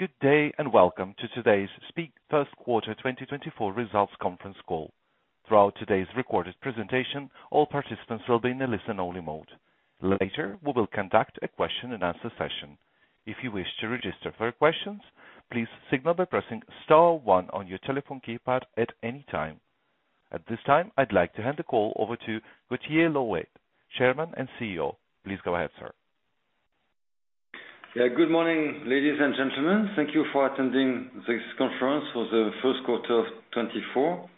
Good day and welcome to today's SPIE First Quarter 2024 Results Conference call. Throughout today's recorded presentation, all participants will be in a listen-only mode. Later, we will conduct a question-and-answer session. If you wish to register for questions, please signal by pressing STAR one on your telephone keypad at any time. At this time, I'd like to hand the call over to Gauthier Louette, Chairman and CEO. Please go ahead, sir. Yeah, good morning, ladies and gentlemen. Thank you for attending this conference for the first quarter of 2024.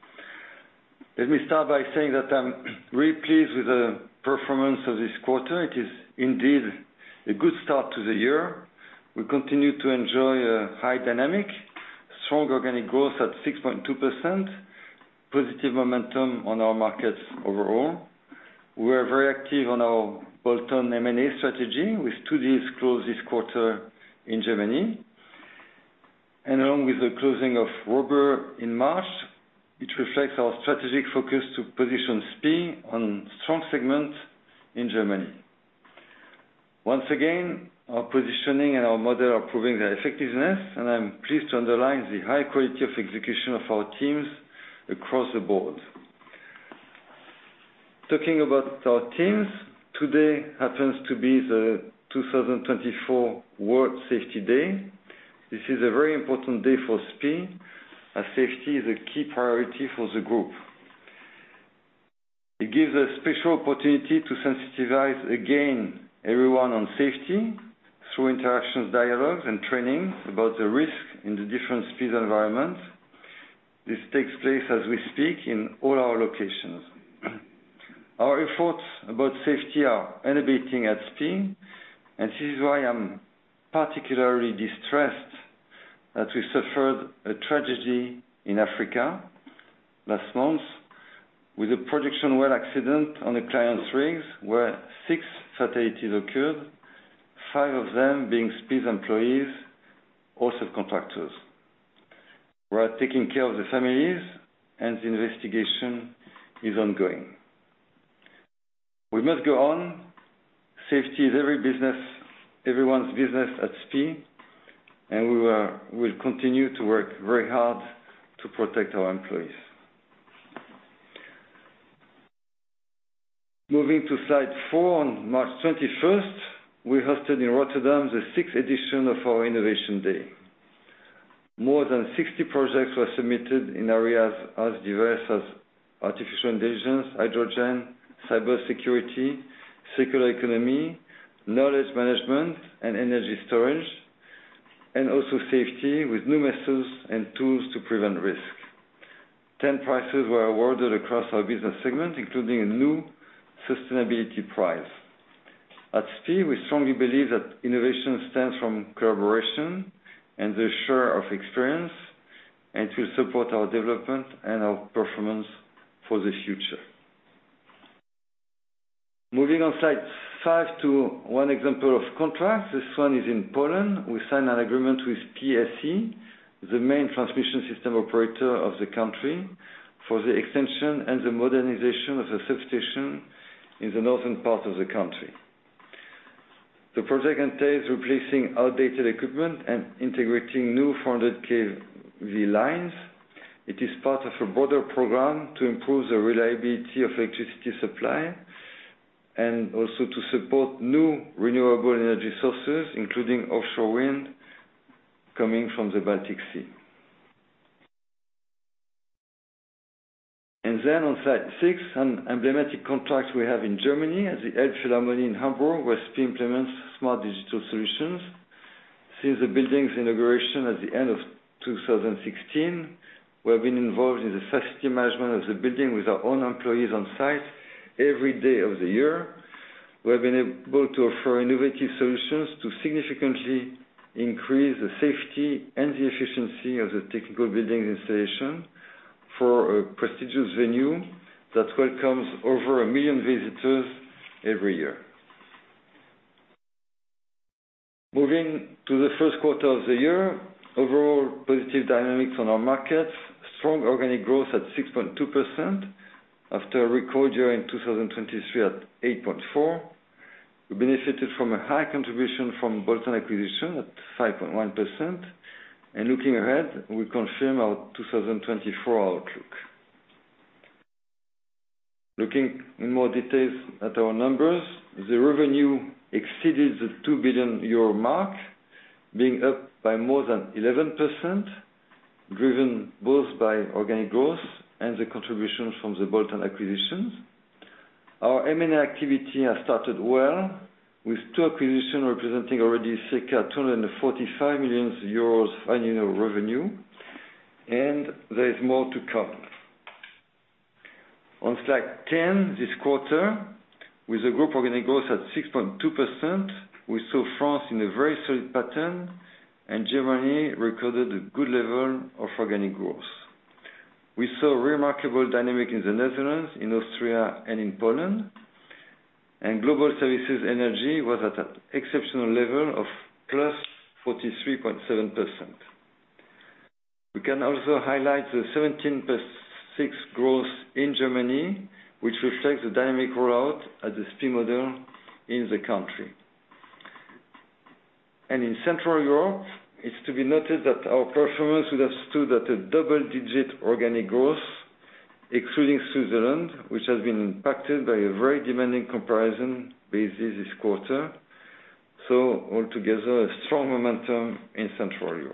Let me start by saying that I'm really pleased with the performance of this quarter. It is indeed a good start to the year. We continue to enjoy a high dynamic, strong organic growth at 6.2%, positive momentum on our markets overall. We are very active on our Bolt-on M&A strategy with two deals closed this quarter in Germany. And along with the closing of Robur in March, it reflects our strategic focus to position SPIE on strong segments in Germany. Once again, our positioning and our model are proving their effectiveness, and I'm pleased to underline the high quality of execution of our teams across the board. Talking about our teams, today happens to be the 2024 World Safety Day. This is a very important day for SPIE, as safety is a key priority for the group. It gives a special opportunity to sensitize, again, everyone on safety through interactions, dialogues, and training about the risk in the different SPIE's environments. This takes place as we speak in all our locations. Our efforts about safety are innovating at SPIE, and this is why I'm particularly distressed that we suffered a tragedy in Africa last month with a production well accident on a client's rigs where six fatalities occurred, five of them being SPIE's employees or subcontractors. We are taking care of the families, and the investigation is ongoing. We must go on. Safety is every business, everyone's business at SPIE, and we will continue to work very hard to protect our employees. Moving to slide four, on March 21st, we hosted in Rotterdam the sixth edition of our Innovation Day. More than 60 projects were submitted in areas as diverse as artificial intelligence, hydrogen, cybersecurity, circular economy, knowledge management, and energy storage, and also safety with new methods and tools to prevent risk. 10 prizes were awarded across our business segment, including a new sustainability prize. At SPIE, we strongly believe that innovation stands from collaboration and the share of experience, and it will support our development and our performance for the future. Moving on slide five to one example of contracts. This one is in Poland. We signed an agreement with PSE, the main transmission system operator of the country, for the extension and the modernization of a substation in the northern part of the country. The project entails replacing outdated equipment and integrating new 400 kV lines. It is part of a broader program to improve the reliability of electricity supply and also to support new renewable energy sources, including offshore wind coming from the Baltic Sea. And then on slide six, an emblematic contract we have in Germany at the Elbphilharmonie in Hamburg where SPIE implements smart digital solutions. Since the building's inauguration at the end of 2016, we have been involved in the facility management of the building with our own employees on site every day of the year. We have been able to offer innovative solutions to significantly increase the safety and the efficiency of the technical building's installation for a prestigious venue that welcomes over a million visitors every year. Moving to the first quarter of the year, overall positive dynamics on our markets, strong organic growth at 6.2% after a record year in 2023 at 8.4%. We benefited from a high contribution from bolt-on acquisitions at 5.1%. And looking ahead, we confirm our 2024 outlook. Looking in more detail at our numbers, the revenue exceeded the 2 billion euro mark, being up by more than 11%, driven both by organic growth and the contribution from the bolt-on acquisitions. Our M&A activity has started well, with two acquisitions representing already circa 245 million euros annual revenue, and there is more to come. On slide 10 this quarter, with a group organic growth at 6.2%, we saw France in a very solid pattern, and Germany recorded a good level of organic growth. We saw remarkable dynamic in the Netherlands, in Austria, and in Poland, and Global Services Energy was at an exceptional level of +43.7%. We can also highlight the 17% + 6% growth in Germany, which reflects the dynamic rollout at the SPIE model in the country. In Central Europe, it's to be noted that our performance would have stood at a double-digit organic growth, excluding Switzerland, which has been impacted by a very demanding comparison basis this quarter. Altogether, a strong momentum in Central Europe.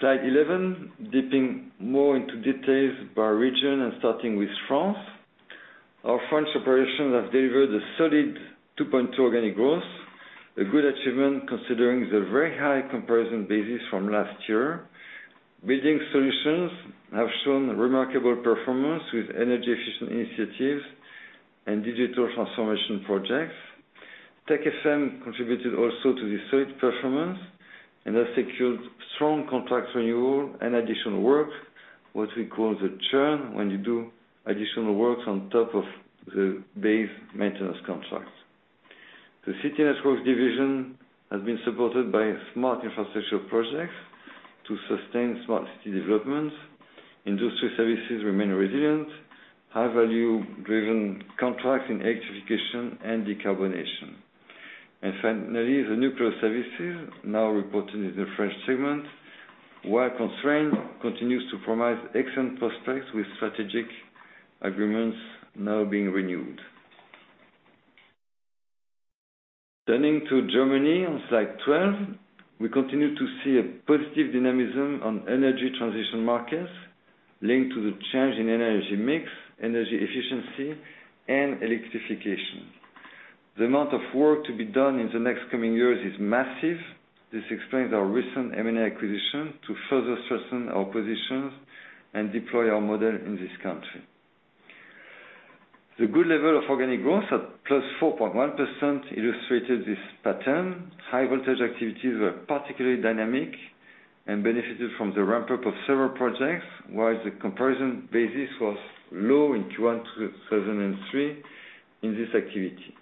Slide 11, dipping more into details by region and starting with France. Our French operations have delivered a solid 2.2 organic growth, a good achievement considering the very high comparison basis from last year. Building Solutions have shown remarkable performance with energy-efficient initiatives and digital transformation projects. Tech FM contributed also to this solid performance and has secured strong contract renewal and additional work, what we call the churn when you do additional works on top of the base maintenance contract. The City Networks division has been supported by smart infrastructure projects to sustain smart city developments. Industry Services remain resilient, high-value-driven contracts in electrification and decarbonation. And finally, the Nuclear Services, now reported in the French segment, while constrained, continue to promise excellent prospects with strategic agreements now being renewed. Turning to Germany on slide 12, we continue to see a positive dynamism on energy transition markets linked to the change in energy mix, energy efficiency, and electrification. The amount of work to be done in the next coming years is massive. This explains our recent M&A acquisition to further strengthen our positions and deploy our model in this country. The good level of organic growth at +4.1% illustrated this pattern. High-voltage activities were particularly dynamic and benefited from the ramp-up of several projects, while the comparison basis was low in Q1 2023 in this activity.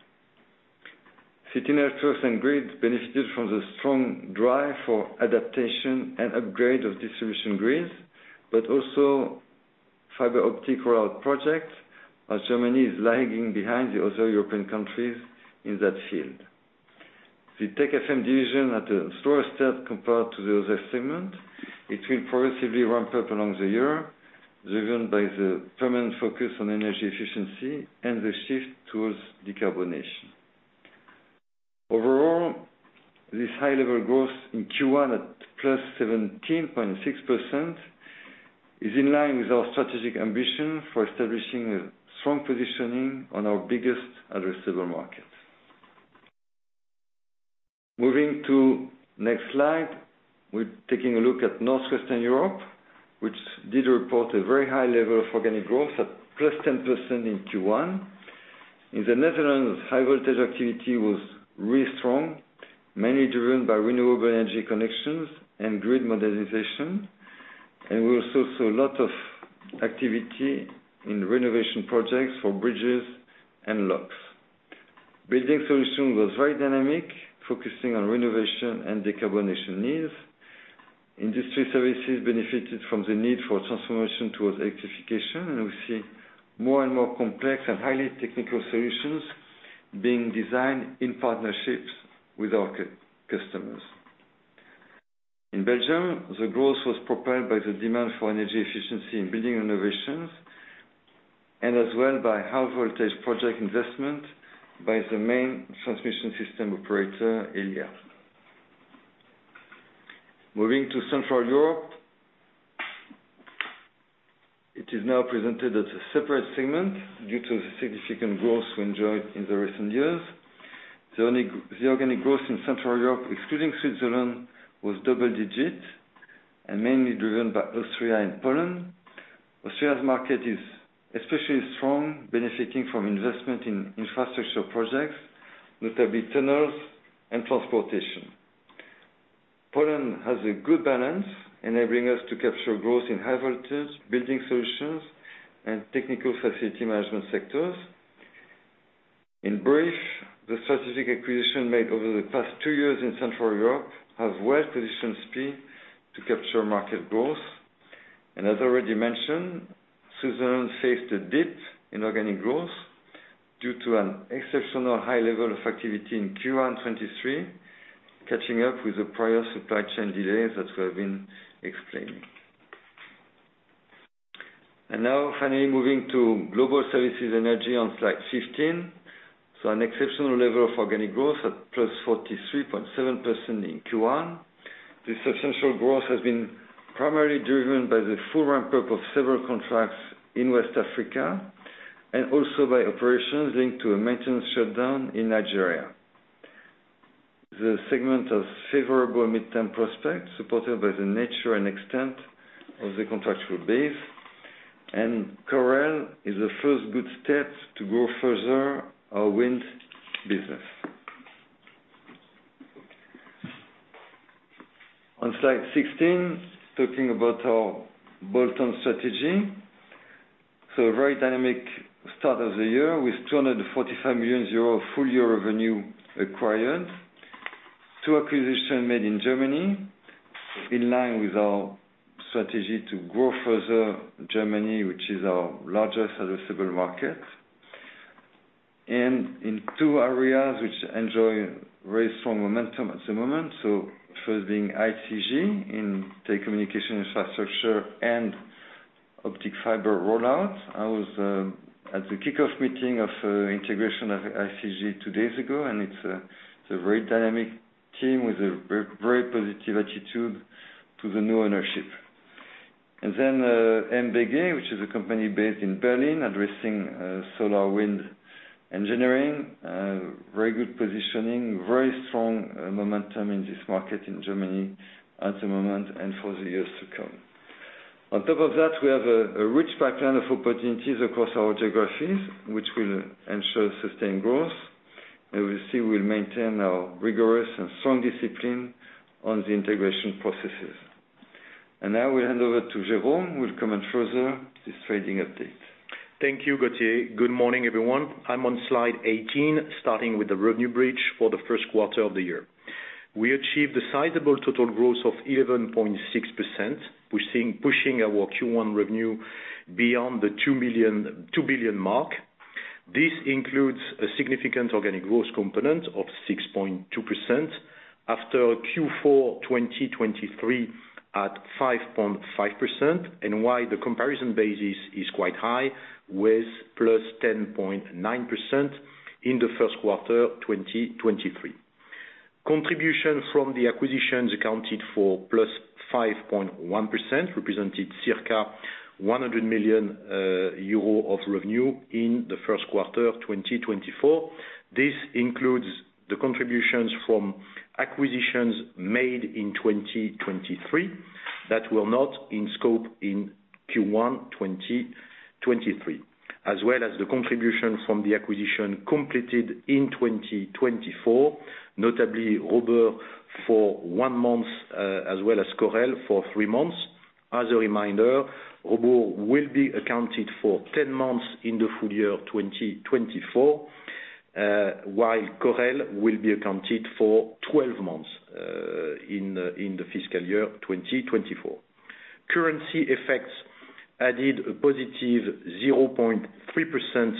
City Networks & Grids benefited from the strong drive for adaptation and upgrade of distribution grids, but also fiber optic rollout projects, as Germany is lagging behind the other European countries in that field. The Tech FM division, at a slower step compared to the other segment, it will progressively ramp up along the year, driven by the permanent focus on energy efficiency and the shift towards decarbonation. Overall, this high-level growth in Q1 at +17.6% is in line with our strategic ambition for establishing a strong positioning on our biggest addressable market. Moving to next slide, we're taking a look at Northwestern Europe, which did report a very high level of organic growth at +10% in Q1. In the Netherlands, high-voltage activity was really strong, mainly driven by renewable energy connections and grid modernization. We also saw a lot of activity in renovation projects for bridges and locks. Building Solutions was very dynamic, focusing on renovation and decarbonation needs. Industry Services benefited from the need for transformation towards electrification, and we see more and more complex and highly technical solutions being designed in partnerships with our customers. In Belgium, the growth was propelled by the demand for energy efficiency in building renovations and as well by high-voltage project investment by the main transmission system operator, Elia. Moving to Central Europe, it is now presented as a separate segment due to the significant growth we enjoyed in the recent years. The organic growth in Central Europe, excluding Switzerland, was double-digit and mainly driven by Austria and Poland. Austria's market is especially strong, benefiting from investment in infrastructure projects, notably tunnels and transportation. Poland has a good balance, enabling us to capture growth in high-voltage. Building Solutions and Technical Facility Management sectors. In brief, the strategic acquisition made over the past two years in Central Europe has well positioned SPIE to capture market growth. As already mentioned, Switzerland faced a dip in organic growth due to an exceptional high level of activity in Q1 2023, catching up with the prior supply chain delays that we have been explaining. Now finally moving to global services energy on slide 15. An exceptional level of organic growth at +43.7% in Q1. This substantial growth has been primarily driven by the full ramp-up of several contracts in West Africa and also by operations linked to a maintenance shutdown in Nigeria. The segment has favorable midterm prospects supported by the nature and extent of the contractual base, and Correll is the first good step to grow further our wind business. On slide 16, talking about our bolt-on strategy. So a very dynamic start of the year with 245 million euros full-year revenue acquired. Two acquisitions made in Germany in line with our strategy to grow further in Germany, which is our largest addressable market. And in two areas which enjoy very strong momentum at the moment, so first being ICG in telecommunication infrastructure and optic fiber rollout. I was at the kickoff meeting of integration of ICG two days ago, and it's a very dynamic team with a very positive attitude to the new ownership. And then MBG, which is a company based in Berlin addressing solar and wind engineering, very good positioning, very strong momentum in this market in Germany at the moment and for the years to come. On top of that, we have a rich pipeline of opportunities across our geographies, which will ensure sustained growth. We'll see we'll maintain our rigorous and strong discipline on the integration processes. Now we'll hand over to Jérôme. We'll comment further this trading update. Thank you, Gauthier. Good morning, everyone. I'm on slide 18, starting with the revenue bridge for the first quarter of the year. We achieved a sizable total growth of 11.6%, pushing our Q1 revenue beyond the 2 billion mark. This includes a significant organic growth component of 6.2% after Q4 2023 at 5.5%, and while the comparison basis is quite high with +10.9% in the first quarter 2023. Contribution from the acquisitions accounted for +5.1%, representing circa 100 million euro of revenue in the first quarter 2024. This includes the contributions from acquisitions made in 2023 that were not in scope in Q1 2023, as well as the contribution from the acquisition completed in 2024, notably Robur for 1 month as well as Correll for three months. As a reminder, Robur will be accounted for 10 months in the full year 2024, while Correll will be accounted for 12 months in the fiscal year 2024. Currency effects added a positive +0.3%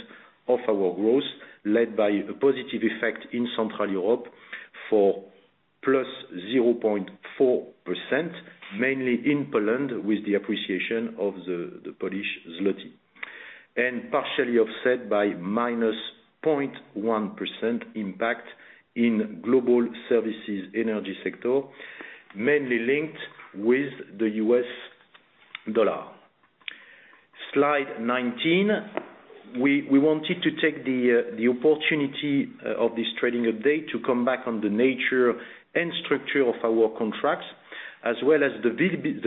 of our growth, led by a positive effect in Central Europe for +0.4%, mainly in Poland with the appreciation of the Polish zloty, and partially offset by -0.1% impact in global services energy sector, mainly linked with the U.S. dollar. Slide 19, we wanted to take the opportunity of this trading update to come back on the nature and structure of our contracts, as well as the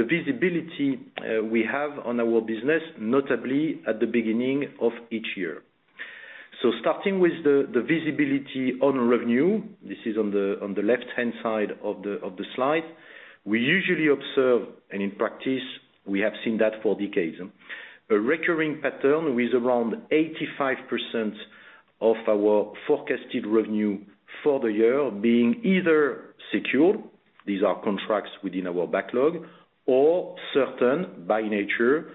visibility we have on our business, notably at the beginning of each year. Starting with the visibility on revenue, this is on the left-hand side of the slide, we usually observe and in practice, we have seen that for decades, a recurring pattern with around 85% of our forecasted revenue for the year being either secured, these are contracts within our backlog, or certain by nature,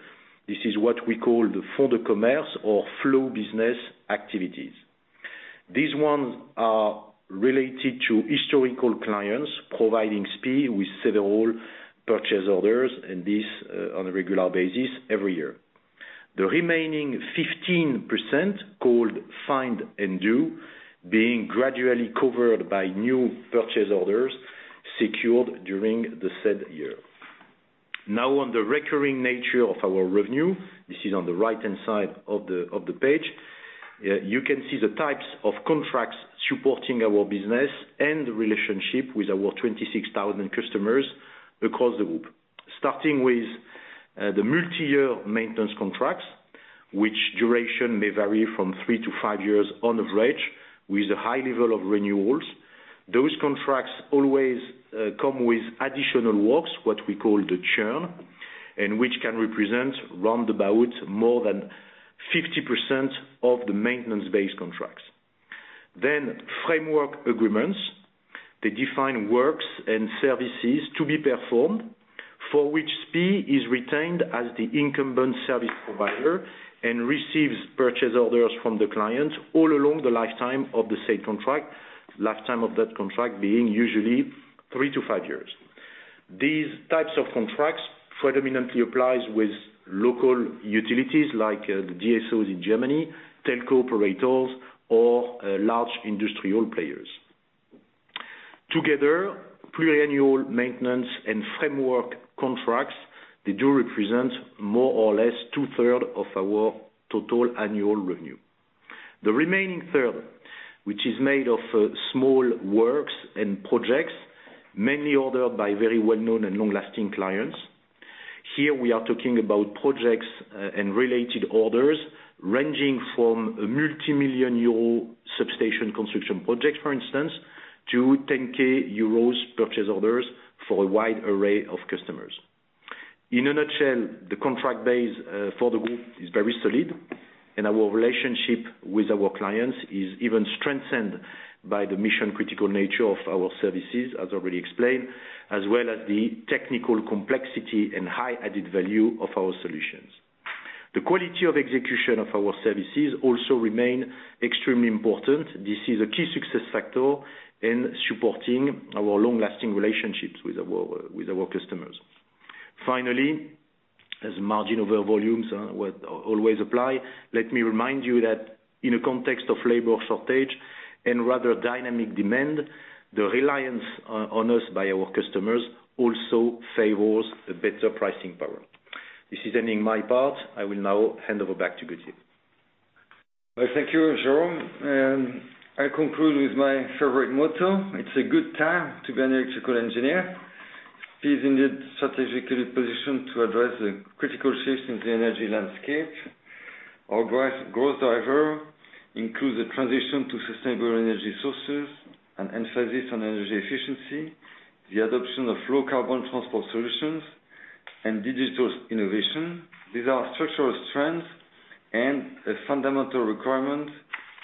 this is what we call the fonds de commerce or flow business activities. These ones are related to historical clients providing SPIE with several purchase orders, and this on a regular basis every year. The remaining 15% called find and do being gradually covered by new purchase orders secured during the said year. Now on the recurring nature of our revenue, this is on the right-hand side of the page. You can see the types of contracts supporting our business and the relationship with our 26,000 customers across the group, starting with the multi-year maintenance contracts, which duration may vary from three to five years on average with a high level of renewals. Those contracts always come with additional works, what we call the churn, and which can represent roundabout more than 50% of the maintenance-based contracts. Then framework agreements. They define works and services to be performed for which SPIE is retained as the incumbent service provider and receives purchase orders from the client all along the lifetime of the said contract, lifetime of that contract being usually three to five years. These types of contracts predominantly apply with local utilities like the DSOs in Germany, telco operators, or large industrial players. Together, pluriannual maintenance and framework contracts, they do represent more or less two-thirds of our total annual revenue. The remaining third, which is made of small works and projects, mainly ordered by very well-known and long-lasting clients. Here, we are talking about projects and related orders ranging from a multimillion-EUR substation construction project, for instance, to 10,000 euros purchase orders for a wide array of customers. In a nutshell, the contract base for the group is very solid, and our relationship with our clients is even strengthened by the mission-critical nature of our services, as already explained, as well as the technical complexity and high added value of our solutions. The quality of execution of our services also remain extremely important. This is a key success factor in supporting our long-lasting relationships with our customers. Finally, as margin over volumes always apply, let me remind you that in a context of labor shortage and rather dynamic demand, the reliance on us by our customers also favors a better pricing power. This is ending my part. I will now hand over back to Gauthier. Thank you, Jérôme. I'll conclude with my favorite motto. It's a good time to be an electrical engineer. SPIE is in the strategically positioned to address the critical shifts in the energy landscape. Our growth driver includes a transition to sustainable energy sources, an emphasis on energy efficiency, the adoption of low-carbon transport solutions, and digital innovation. These are structural strengths and a fundamental requirement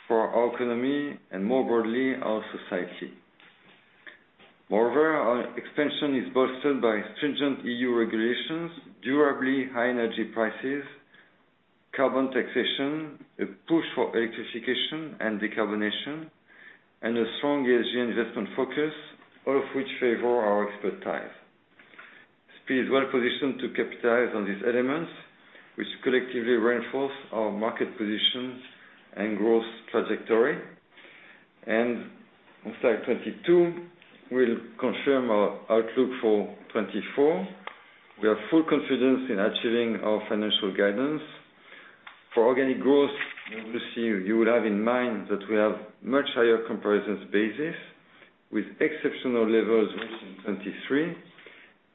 for our economy and more broadly, our society. Moreover, our expansion is bolstered by stringent EU regulations, durably high energy prices, carbon taxation, a push for electrification and decarbonation, and a strong ESG investment focus, all of which favor our expertise. SPIE is well positioned to capitalize on these elements, which collectively reinforce our market position and growth trajectory. On slide 22, we'll confirm our outlook for 2024. We have full confidence in achieving our financial guidance. For organic growth, you will have in mind that we have a much higher comparison basis with exceptional levels reached in 2023,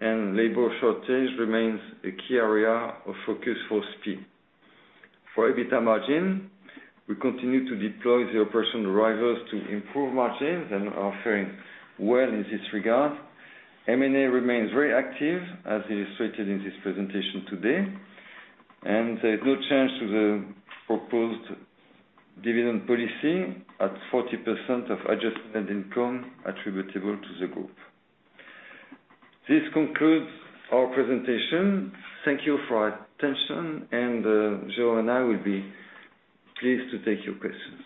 and labor shortage remains a key area of focus for SPIE. For EBITDA margin, we continue to deploy the operational drivers to improve margins and are faring well in this regard. M&A remains very active, as illustrated in this presentation today. There is no change to the proposed dividend policy at 40% of adjusted net income attributable to the group. This concludes our presentation. Thank you for attention. And Jérôme and I will be pleased to take your questions.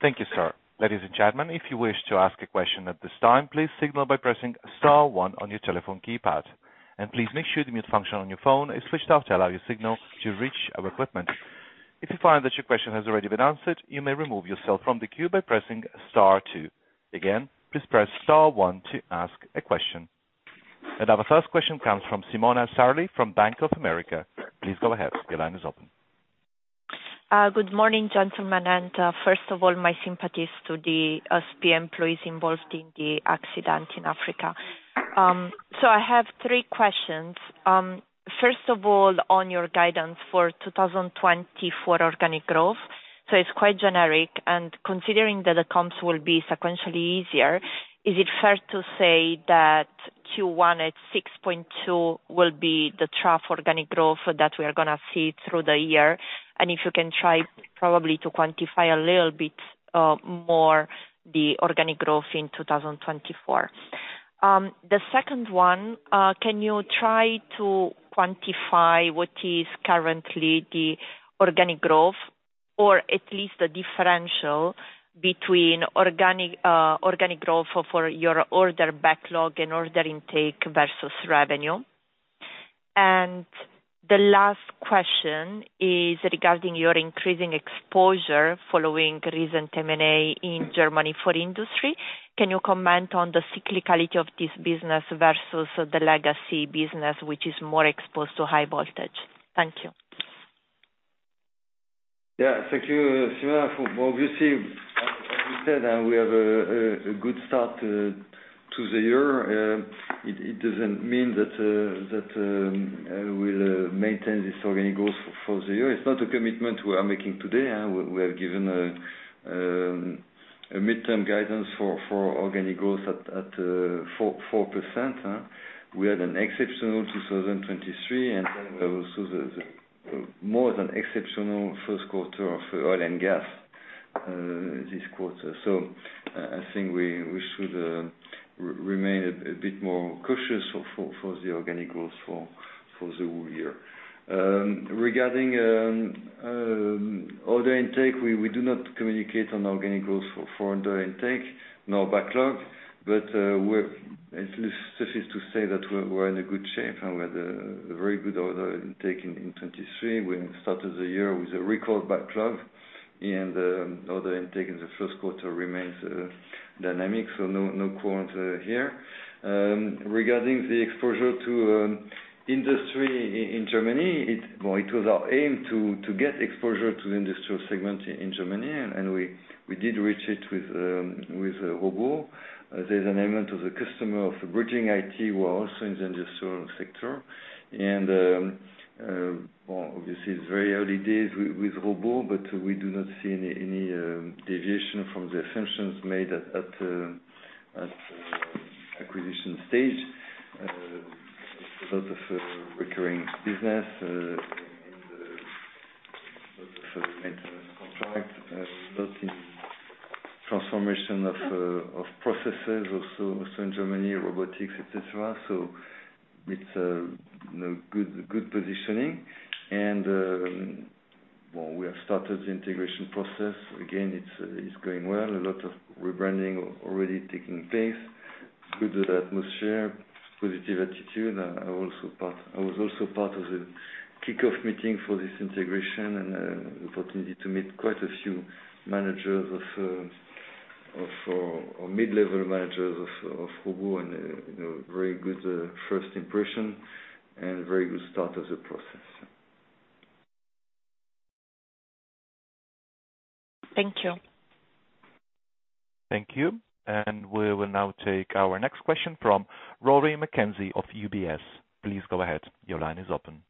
Thank you, sir. Ladies and gentlemen, if you wish to ask a question at this time, please signal by pressing star one on your telephone keypad. And please make sure the mute function on your phone is switched off to allow you signal to reach our equipment. If you find that your question has already been answered, you may remove yourself from the queue by pressing star two. Again, please press star one to ask a question. And our first question comes from Simona Sarli from Bank of America. Please go ahead. Your line is open. Good morning, gentlemen. First of all, my sympathies to the SPIE employees involved in the accident in Africa. So I have three questions. First of all, on your guidance for 2024 organic growth, so it's quite generic, and considering that the comps will be sequentially easier, is it fair to say that Q1 at 6.2 will be the trough organic growth that we are going to see through the year? And if you can try probably to quantify a little bit more the organic growth in 2024. The second one, can you try to quantify what is currently the organic growth or at least the differential between organic growth for your order backlog and order intake versus revenue? And the last question is regarding your increasing exposure following recent M&A in Germany for industry. Can you comment on the cyclicality of this business versus the legacy business, which is more exposed to high voltage? Thank you. Yeah. Thank you, Simona. Obviously, as you said, we have a good start to the year. It doesn't mean that we'll maintain this organic growth for the year. It's not a commitment we are making today. We have given a midterm guidance for organic growth at 4%. We had an exceptional 2023, and then we have also more than exceptional first quarter of oil and gas this quarter. So I think we should remain a bit more cautious for the organic growth for the whole year. Regarding order intake, we do not communicate on organic growth for order intake, no backlog. But it suffices to say that we're in a good shape. We had a very good order intake in 2023. We started the year with a record backlog, and order intake in the first quarter remains dynamic, so no quarrels here. Regarding the exposure to industry in Germany, well, it was our aim to get exposure to the industrial segment in Germany, and we did reach it with Robur. There's an element of the customer of the BridgingIT who are also in the industrial sector. Obviously, it's very early days with Robur, but we do not see any deviation from the assumptions made at acquisition stage. It's a lot of recurring business, a lot of maintenance contracts, a lot in transformation of processes also in Germany, robotics, etc. So it's good positioning. Well, we have started the integration process. Again, it's going well. A lot of rebranding already taking place. Good atmosphere, positive attitude. I was also part of the kickoff meeting for this integration and the opportunity to meet quite a few managers of or mid-level managers of Robur and a very good first impression and very good start of the process. Thank you. Thank you. And we will now take our next question from Rory McKenzie of UBS. Please go ahead. Your line is open.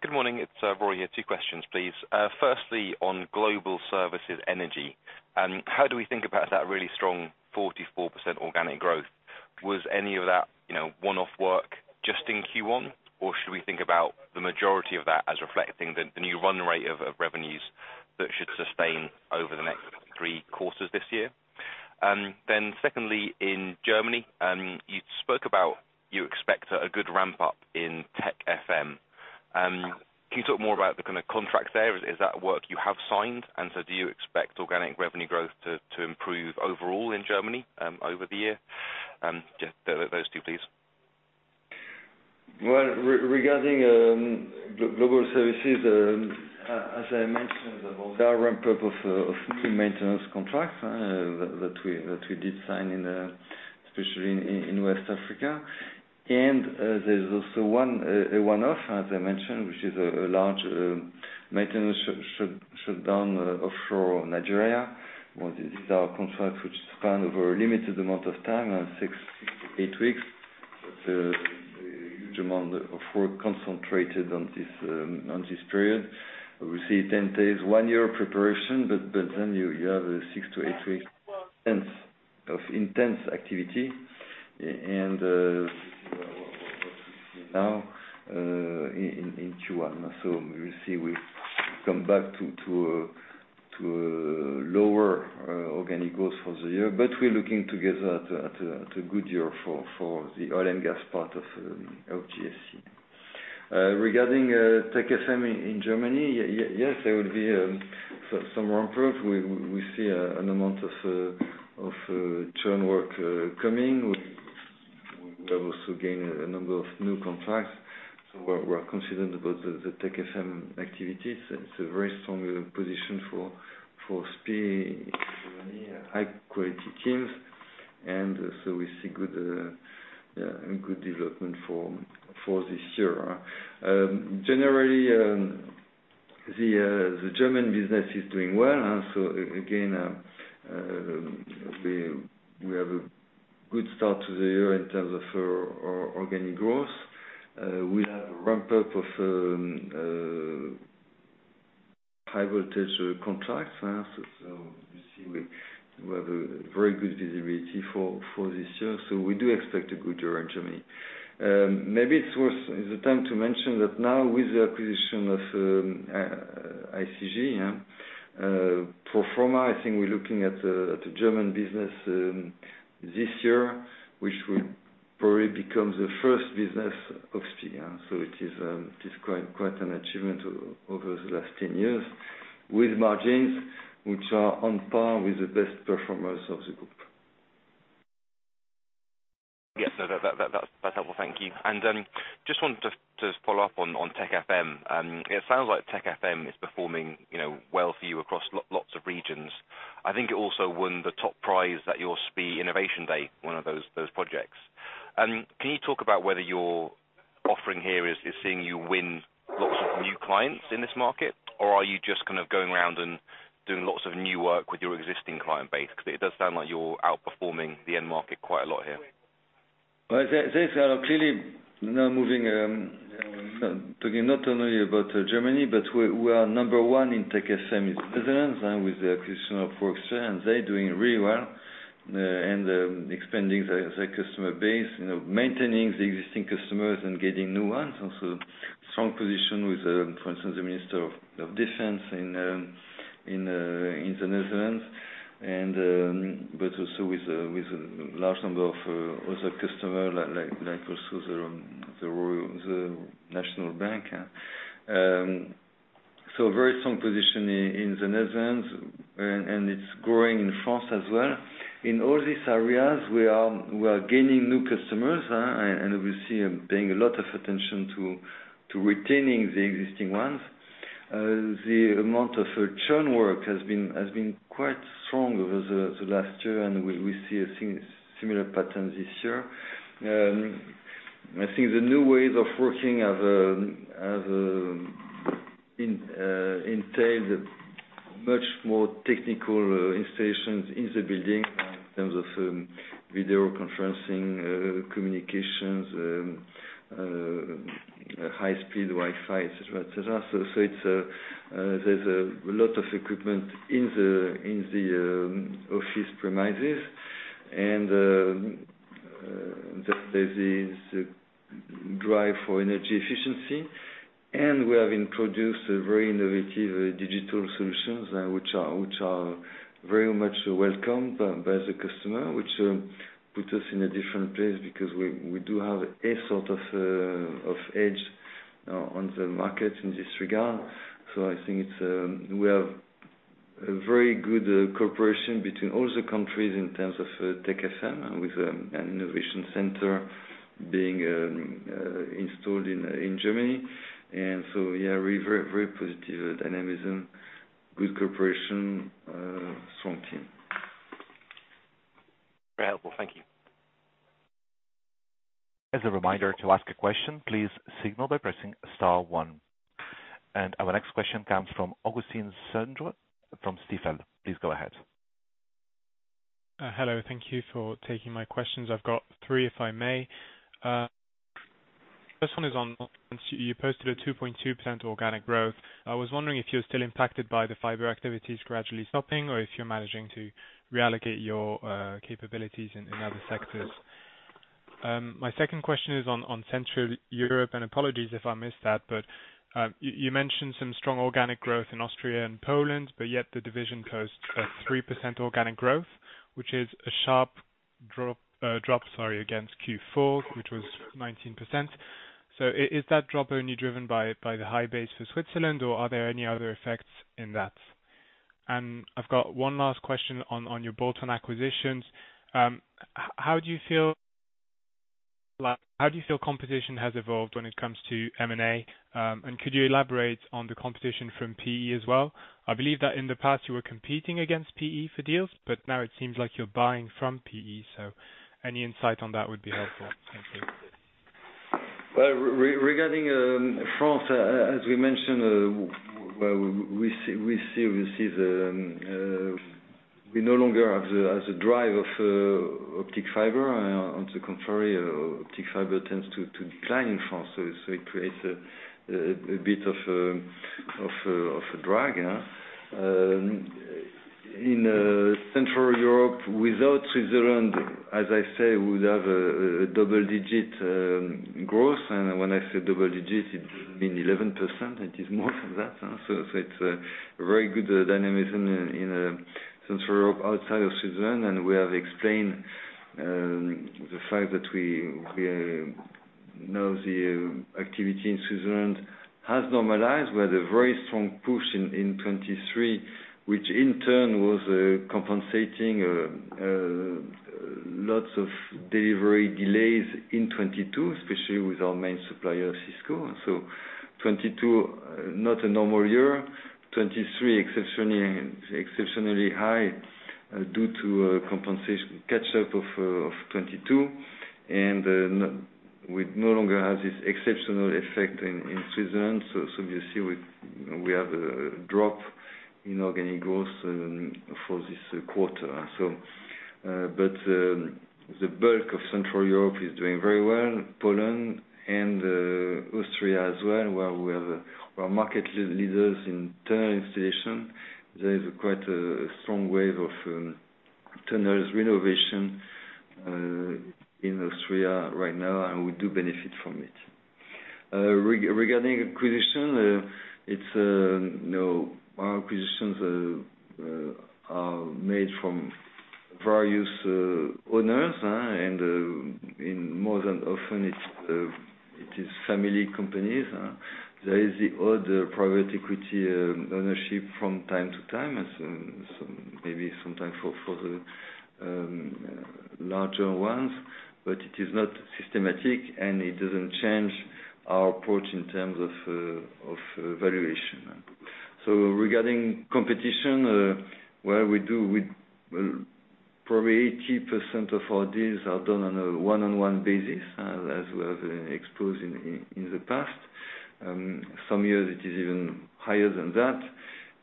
Good morning. It's Rory here. Two questions, please. Firstly, on global services energy, how do we think about that really strong 44% organic growth? Was any of that one-off work just in Q1, or should we think about the majority of that as reflecting the new run rate of revenues that should sustain over the next three quarters this year? Then secondly, in Germany, you spoke about you expect a good ramp-up in Tech FM. Can you talk more about the kind of contracts there? Is that work you have signed? And so do you expect organic revenue growth to improve overall in Germany over the year? Those two, please. Well, regarding global services, as I mentioned, there are ramp-ups of new maintenance contracts that we did sign, especially in West Africa. And there's also a one-off, as I mentioned, which is a large maintenance shutdown offshore Nigeria. These are contracts which span over a limited amount of time, six to eight weeks. It's a huge amount of work concentrated on this period. Obviously, 10 days, one year preparation, but then you have six to eight weeks of intense activity. And this is what we see now in Q1. So we'll see we come back to a lower organic growth for the year, but we're looking together at a good year for the oil and gas part of LGSC. Regarding Tech FM in Germany, yes, there will be some ramp-ups. We see an amount of churn work coming. We have also gained a number of new contracts. So we're confident about the Tech FM activities. It's a very strong position for SPIE in Germany, high-quality teams. And so we see good development for this year. Generally, the German business is doing well. So again, we have a good start to the year in terms of organic growth. We have a ramp-up of high-voltage contracts. So you see we have a very good visibility for this year. So we do expect a good year in Germany. Maybe it's worth it. It's the time to mention that now, with the acquisition of ICG pro forma, I think we're looking at a German business this year, which will probably become the first business of SPIE. So it is quite an achievement over the last 10 years with margins which are on par with the best performers of the group. Yes. No, that's helpful. Thank you. And just wanted to follow up on Tech FM. It sounds like Tech FM is performing well for you across lots of regions. I think it also won the top prize at your SPIE Innovation Day, one of those projects. Can you talk about whether your offering here is seeing you win lots of new clients in this market, or are you just kind of going around and doing lots of new work with your existing client base? Because it does sound like you're outperforming the end market quite a lot here. Well, clearly, now moving talking not only about Germany, but where number one in Tech FM is the Netherlands with the acquisition of Worksphere. They're doing really well and expanding their customer base, maintaining the existing customers and getting new ones. Also, strong position with, for instance, the Minister of Defense in the Netherlands, but also with a large number of other customers like also the Royal National Bank. So, very strong position in the Netherlands, and it's growing in France as well. In all these areas, we are gaining new customers and obviously paying a lot of attention to retaining the existing ones. The amount of churn work has been quite strong over the last year, and we see a similar pattern this year. I think the new ways of working have entailed much more technical installations in the building in terms of videoconferencing, communications, high-speed Wi-Fi, etc., etc. So, there's a lot of equipment in the office premises, and there's this drive for energy efficiency. And we have introduced very innovative digital solutions which are very much welcomed by the customer, which put us in a different place because we do have a sort of edge on the market in this regard. So I think we have a very good cooperation between all the countries in terms of Tech FM, with an innovation center being installed in Germany. And so yeah, very positive dynamism, good cooperation, strong team. Very helpful. Thank you. As a reminder, to ask a question, please signal by pressing star one. And our next question comes from Augustin Cendre from Stifel. Please go ahead. Hello. Thank you for taking my questions. I've got three, if I may. First one is on you posted a 2.2% organic growth. I was wondering if you're still impacted by the fiber activities gradually stopping or if you're managing to reallocate your capabilities in other sectors. My second question is on Central Europe. Apologies if I missed that, but you mentioned some strong organic growth in Austria and Poland, but yet the division posts a 3% organic growth, which is a sharp drop, sorry, against Q4, which was 19%. So is that drop only driven by the high base for Switzerland, or are there any other effects in that? And I've got one last question on your bolt-on acquisitions. How do you feel competition has evolved when it comes to M&A? And could you elaborate on the competition from PE as well? I believe that in the past, you were competing against PE for deals, but now it seems like you're buying from PE. So any insight on that would be helpful. Thank you. Well, regarding France, as we mentioned, we see obviously we no longer have the drive of optic fiber. On the contrary, optic fiber tends to decline in France, so it creates a bit of a drag. In Central Europe, without Switzerland, as I say, we would have a double-digit growth. When I say double-digit, it means 11%. It is more than that. So it's a very good dynamism in Central Europe outside of Switzerland. And we have explained the fact that we know the activity in Switzerland has normalized. We had a very strong push in 2023, which in turn was compensating lots of delivery delays in 2022, especially with our main supplier, Cisco. So 2022, not a normal year. 2023, exceptionally high due to catch-up of 2022. And we no longer have this exceptional effect in Switzerland. So obviously, we have a drop in organic growth for this quarter. But the bulk of Central Europe is doing very well. Poland and Austria as well, where we are market leaders in tunnel installation. There is quite a strong wave of tunnels renovation in Austria right now, and we do benefit from it. Regarding acquisition, our acquisitions are made from various owners, and more than often, it is family companies. There is the odd private equity ownership from time to time, maybe sometimes for the larger ones, but it is not systematic, and it doesn't change our approach in terms of valuation. So regarding competition, well, probably 80% of our deals are done on a one-on-one basis, as we have exposed in the past. Some years, it is even higher than that.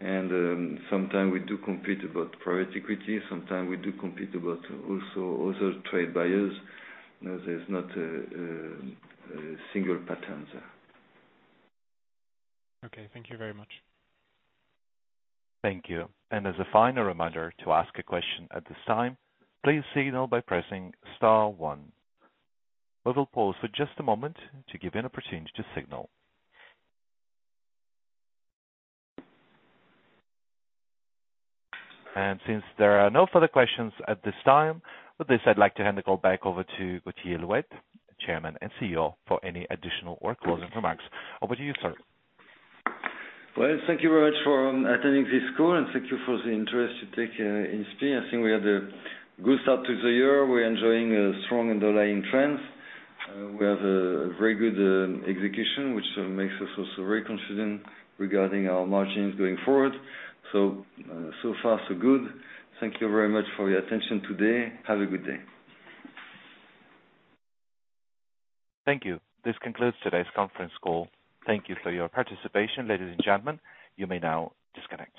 And sometimes we do compete about private equity. Sometimes we do compete about also other trade buyers. There's not a single pattern there. Okay. Thank you very much. Thank you. And as a final reminder, to ask a question at this time, please signal by pressing star one. We will pause for just a moment to give an opportunity to signal. And since there are no further questions at this time, with this, I'd like to hand the call back over to Gauthier Louette, Chairman and CEO, for any additional or closing remarks. Over to you, sir. Well, thank you very much for attending this call, and thank you for the interest you take in SPIE. I think we had a good start to the year. We're enjoying strong underlying trends. We have a very good execution, which makes us also very confident regarding our margins going forward. So far, so good. Thank you very much for your attention today. Have a good day. Thank you. This concludes today's conference call. Thank you for your participation, ladies and gentlemen. You may now disconnect.